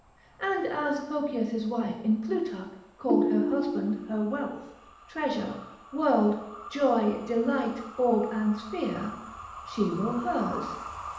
And as Phocias' wife in Plutarch, called her husband her wealth, treasure, world, joy, delight, orb and sphere, she will hers.